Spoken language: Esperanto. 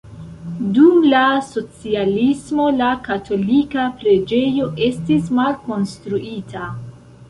Dum la socialismo la katolika preĝejo estis malkonstruita.